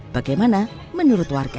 bagaimana menurut warga